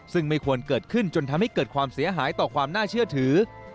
ซึ่งไม่ควรเกิดขึ้นจนทำให้เกิดความเสียหายต่อความน่าเชื่อถือ